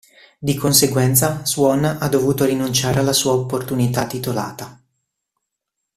Di conseguenza, Swann ha dovuto rinunciare alla sua opportunità titolata.